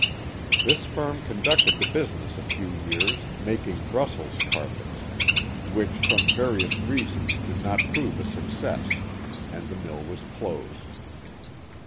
This firm conducted the business a few years, making Brussels carpets, which from various reasons did not prove a success, and the mill was closed.